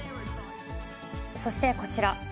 そして、こちら。